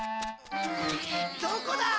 どこだ！